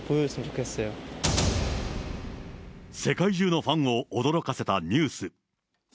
世界中のファンを驚かせたニュース。